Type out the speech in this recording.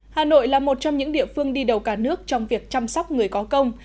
hà nội là một trong những địa phương đi đầu cả nước trong việc chăm sóc người có công